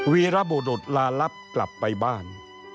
วีรบุรุษลาลับกลับไปบ้าน